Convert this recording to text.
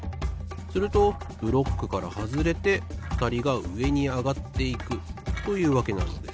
するとブロックからはずれてふたりがうえにあがっていくというわけなのです。